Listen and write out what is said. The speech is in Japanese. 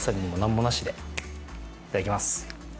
いただきます